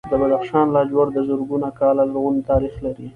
د بدخشان لاجورد زرګونه کاله لرغونی تاریخ لري.